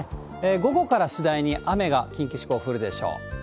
午後から次第に雨が、近畿地方、降るでしょう。